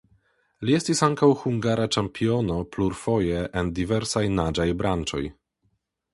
Li estis ankaŭ hungara ĉampiono plurfoje en diversaj naĝaj branĉoj.